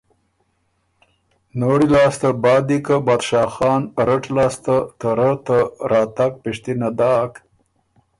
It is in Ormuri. نوړي لاسته بعد دی که بادشاه خان رټ لاسته ته رۀ ته راتګ پِشتِته داک